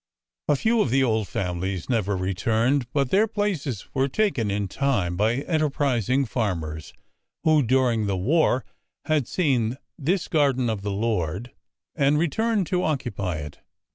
A few of the old families never returned, but their places were taken in time by enterprising farmers who, during the war, had seen this garden of the Lord," and returned to occupy it.